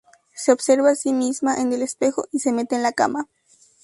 Se observa a sí misma en el espejo y se mete en la cama.